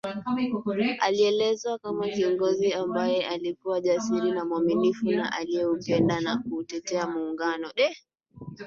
Alielezwa kama kiongozi ambaye alikuwa jasiri na mwaminifu na aliyeupenda na kuutetea Muungano